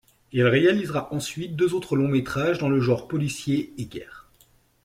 Il réalisera ensuite deux autres longs métrages dans le genre policier et guerre.